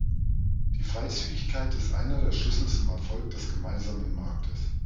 Die Freizügigkeit ist einer der Schlüssel zum Erfolg des gemeinsamen Marktes.